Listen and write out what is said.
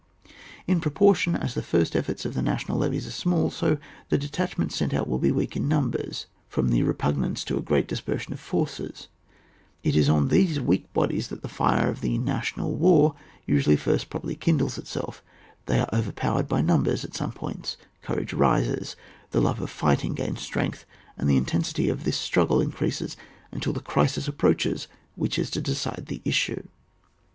In proportion as the first efforts of the national levies are smalls so the detachments sent out will be weak in numbers, from the repug nance to a great dispersion of forces ; it is on these weak bodies that the fire of the national war usually first properly kindles itself, they are overpowered by nimi bers at some points, courage rises, the love of fighting gains strength, and the intensity of this struggle increases until the crisis approaches which is to decide the issue.